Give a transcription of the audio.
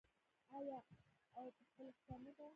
آیا او په خپل اقتصاد نه ده؟